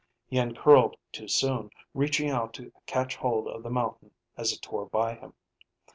He uncurled too soon, reaching out to catch hold of the mountain as it tore by him.